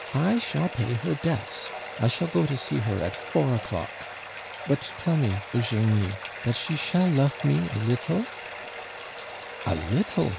I shall pay her debts; I shall go to see her at four o'clock. But tell me, Eugenie, dat she shall lofe me a little " "A little?